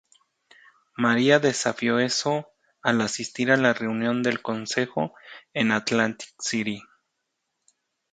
Mary desafió eso al asistir a la reunión del Consejo en Atlantic City.